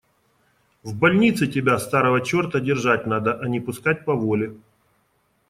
В больнице тебя, старого черта, держать надо, а не пускать по воле.